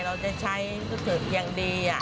เราจะใช้สุขุมอย่างดี